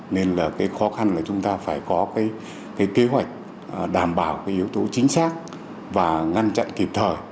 nên là cái khó khăn là chúng ta phải có cái kế hoạch đảm bảo cái yếu tố chính xác và ngăn chặn kịp thời